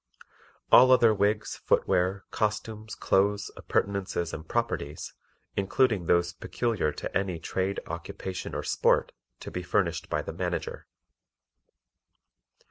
All other wigs, footwear, costumes, clothes, appurtenances and "properties," including those peculiar to any trade, occupation or sport, to be furnished by the Manager.